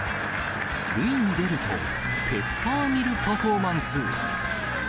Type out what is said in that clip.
塁に出ると、ペッパーミルパフォーマンス。